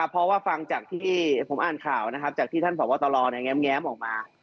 เพราะว่าฟังจากที่ผมอ่านข่าวนะครับจากที่ท่านผอบตรแง้มออกมา